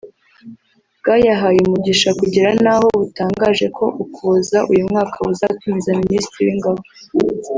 bwayahaye umugisha kugera n’aho butangaje ko mu Ukuboza uyu mwaka buzatumiza Minisitiri w’Ingabo